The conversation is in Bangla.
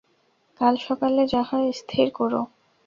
কাল সকালে যা হয় স্থির কোরো।